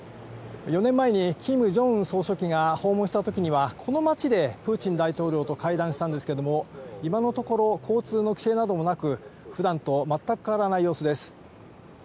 ４年前にキム・ジョンウン総書記が訪問したときには、この街でプーチン大統領と会談したんですけれども、今のところ交通の規制などもなく、普段とまったく変わらない様子です。